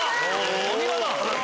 お見事。